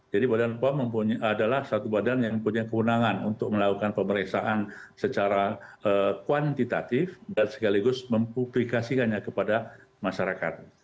badan pom adalah satu badan yang punya kewenangan untuk melakukan pemeriksaan secara kuantitatif dan sekaligus mempublikasikannya kepada masyarakat